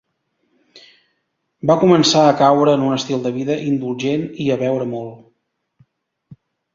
Va començar a caure en un estil de vida indulgent i a beure molt.